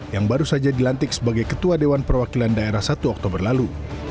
yang baru saja dilantik sebagai ketua dewan perwakilan daerah satu oktober lalu